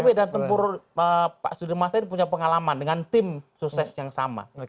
tapi medan tempur pak sudirman said punya pengalaman dengan tim sukses yang sama